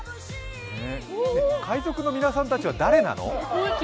海賊の皆さんたちは誰なの？